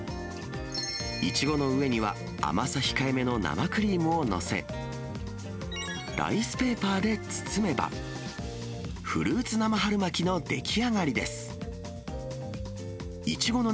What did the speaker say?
いちごの上には、甘さ控えめの生クリームを載せ、ライスペーパーで包めば、フルーツ生春巻きの出来上がりです。